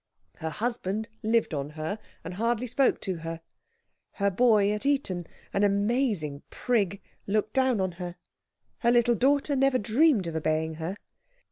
Her husband lived on her and hardly spoke to her. Her boy at Eton, an amazing prig, looked down on her. Her little daughter never dreamed of obeying her.